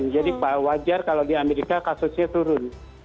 jadi wajar kalau di amerika kasusnya turun